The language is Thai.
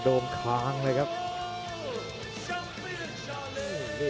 โอ้โห